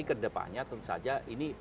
ini value change nya sedang